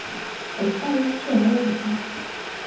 Elle s'investit alors au théâtre.